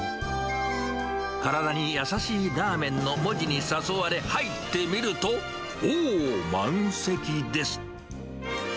からだにやさしいらーめんの文字に誘われ入ってみると、おー、満席です。